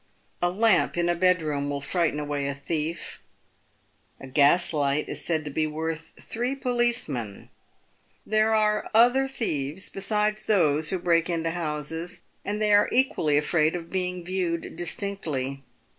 A lamp in a bedroom will frighten away a thief. A gas light is said to be worth three policemen. There are other thieves besides those who break into houses, and they are equally afraid of being viewed distinctly.